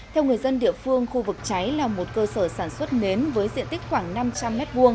theo người dân địa phương khu vực cháy là một cơ sở sản xuất nến với diện tích khoảng năm trăm linh m hai